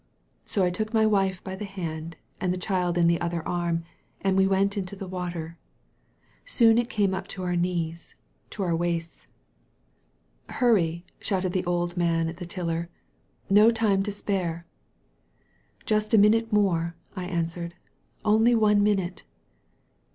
So I took my wife by the hand, and the child in the other arm, and we went into the water. Soon it came up to our knees, to our waists. 13 THE VALLEY OP VISION ''Hurry/' shouted the old man at the tiller. "No time to spare !" "Just a minute more," I answered, "only one minute!"